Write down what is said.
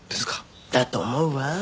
だと思うわ。